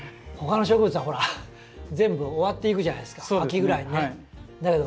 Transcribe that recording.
他の植物はほら全部終わっていくじゃないですか秋ぐらいにね。